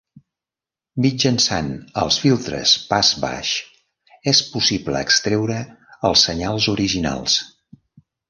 Mitjançant els filtres pas baix és possible extreure els senyals originals.